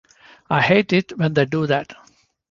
I hate it when they do that.